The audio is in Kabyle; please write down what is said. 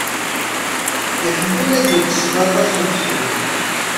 Iḥemmel ad yečč cclaḍa s uksum.